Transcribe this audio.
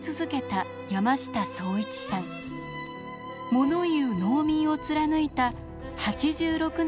「モノいう農民」を貫いた８６年の生涯でした。